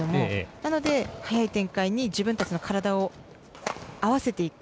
なので、早い展開に自分たちの体を合わせていく。